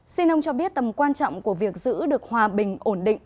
xin ông cho biết tầm quan trọng của việc giữ được hòa bình ổn định